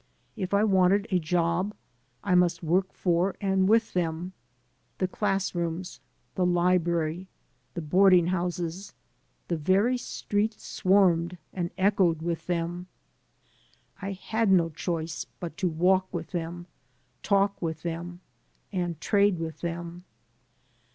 If I wanted a job, I must work for and with them. The class rooms, the library, the boarding houses, the very streets swarmed and echoed with them. I had no choice but to walk with them, talk with them, and trade with them.